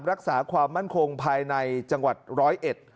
รักษาความมั่นคงภายในจังหวัดร้อยเอ็ด